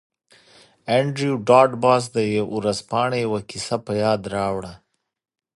انډریو ډاټ باس د ورځپاڼې یوه کیسه په یاد راوړه